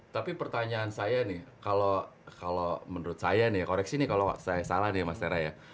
tapi pertanyaan saya nih kalau menurut saya nih koreksi nih kalau saya salah nih mas tera ya